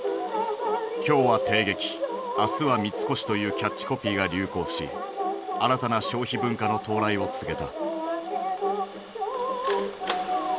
「今日は帝劇明日は三越」というキャッチコピーが流行し新たな消費文化の到来を告げた。